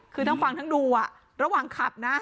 คือทั้งฟังทั้งดูระหว่างขับนะ